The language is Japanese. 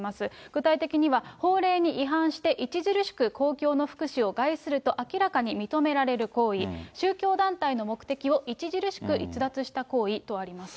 具体的には、法令に違反して、著しく公共の福祉を害すると明らかに認められる行為、宗教団体の目的を著しく逸脱した行為とあります。